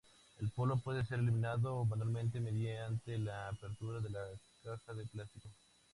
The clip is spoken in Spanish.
El polvo puede ser eliminado manualmente mediante la apertura de la caja de plástico.